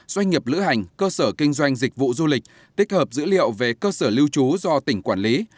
doanh nghiệp lữ hành cơ sở kinh doanh dịch vụ du lịch tích hợp dữ liệu về cơ sở lưu trú do tỉnh quản lý